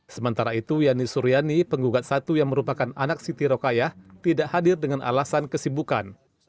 sementara itu yani suryani penggugat satu yang merupakan anak siti rokayah tidak hadir dengan alasan kesibukan